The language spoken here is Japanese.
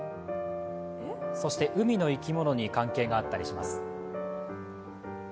そして海の生き物に関係があったりします。